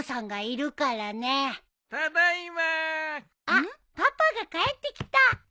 あっパパが帰ってきた。